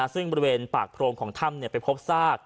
ซึ่งบริเวณปากโพรงของถ้ำไปพบซาก